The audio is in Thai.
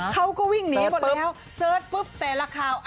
เขาก็วิ่งหนีหมดแล้วเสิร์ชปุ๊บแต่ละข่าว